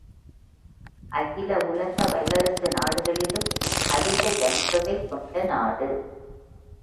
அகில உலக வல்லரசு நாடுகளிலும் அதிக ஜனத்தொகை கொண்ட நாடு.